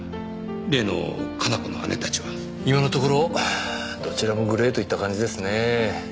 例の加奈子の姉たちは今のところどちらもグレーといった感じですね